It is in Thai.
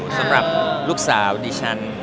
สำหรับลูกสาวดิฉัน